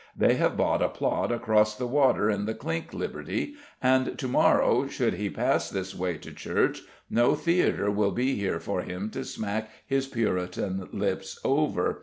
They have bought a plot across the water, in the Clink Liberty: and to morrow, should he pass this way to church, no theatre will be here for him to smack his Puritan lips over.